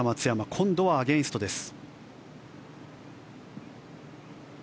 今度はアゲンストです。